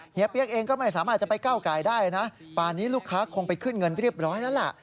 เปี๊ยกเองก็ไม่สามารถจะไปก้าวไก่ได้นะป่านนี้ลูกค้าคงไปขึ้นเงินเรียบร้อยแล้วล่ะ